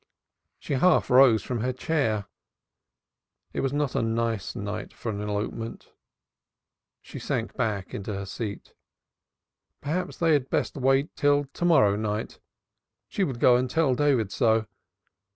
She half rose from her chair. It was not a nice night for an elopement. She sank back into her seat. Perhaps they had best wait till to morrow night. She would go and tell David so.